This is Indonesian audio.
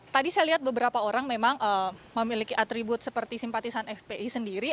tadi saya lihat beberapa orang memang memiliki atribut seperti simpatisan fpi sendiri